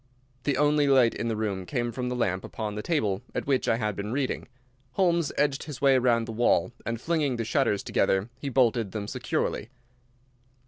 The only light in the room came from the lamp upon the table at which I had been reading. Holmes edged his way round the wall and flinging the shutters together, he bolted them securely.